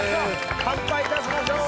乾杯いたしましょう！